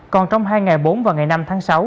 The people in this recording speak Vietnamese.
còn trong hai ngày bốn và ngày năm tháng sáu